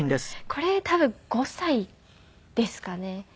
これ多分５歳ですかね。